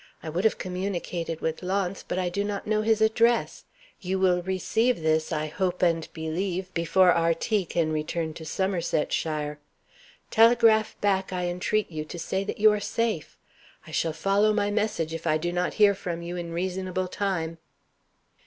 I would have communicated with Launce, but I do not know his address. You will receive this, I hope and believe, before R. T. can return to Somersetshire. Telegraph back, I entreat you, to say that you are safe. I shall follow my message if I do not hear from you in reasonable time."